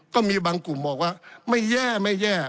ก็มีบางกลุ่มบอกว่าไม่แย่ไม่แย่